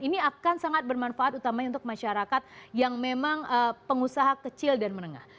ini akan sangat bermanfaat utamanya untuk masyarakat yang memang pengusaha kecil dan menengah